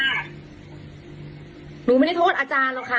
ขอโทษด้วยค่ะหนูไม่ได้โทษอาจารย์หรอกค่ะ